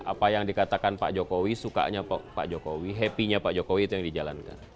apa yang dikatakan pak jokowi sukanya pak jokowi happy nya pak jokowi itu yang dijalankan